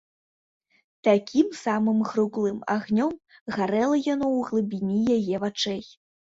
Такім самым круглым агнём гарэла яно ў глыбіні яе вачэй.